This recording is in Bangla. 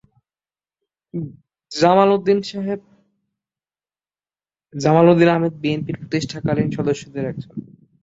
জামাল উদ্দিন আহমেদ বিএনপির প্রতিষ্ঠাকালীন সদস্যদের একজন।